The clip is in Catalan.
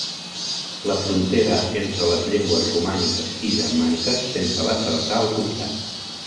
La frontera entre les llengües romàniques i germàniques sempre va travessar el comtat.